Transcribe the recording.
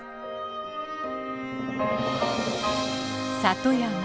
里山